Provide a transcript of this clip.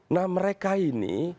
nah mereka ini